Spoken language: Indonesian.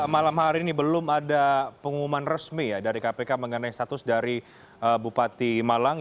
malam hari ini belum ada pengumuman resmi dari kpk mengenai status dari bupati malang